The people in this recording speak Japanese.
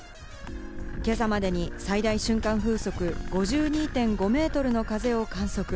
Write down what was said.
今朝までに最大瞬間風速５２．５メートルの風を観測。